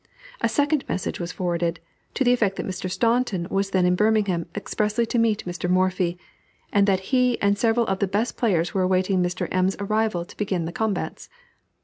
A second message was forwarded, to the effect that Mr. Staunton was then in Birmingham expressly to meet Mr. Morphy, and that he and several of the best players were awaiting Mr. M.'s arrival to begin the combats.